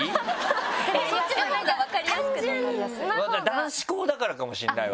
男子校だからかもしれないわ。